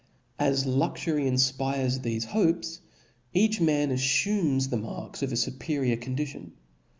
rw'.^ As luxury infpires thefe hopes, e^ch man aflumes the marks of a fuperior condition.